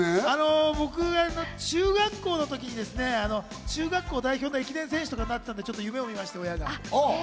僕が中学校の時にですね中学校代表の駅伝選手とかになってたんで夢を見まして親が。